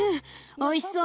おいしそう！